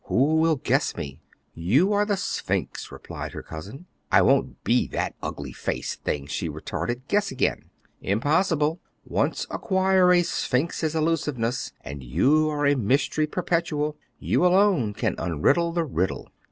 Who will guess me?" "You are the Sphinx," replied her cousin. "I won't be that ugly faced thing," she retorted; "guess again." "Impossible. Once acquire a sphinx's elusiveness and you are a mystery perpetual. You alone can unriddle the riddle."